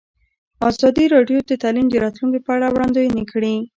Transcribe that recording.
ازادي راډیو د تعلیم د راتلونکې په اړه وړاندوینې کړې.